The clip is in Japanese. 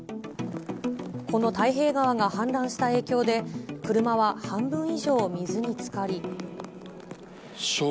この太平川が氾濫した影響で、車は半分以上水につかり。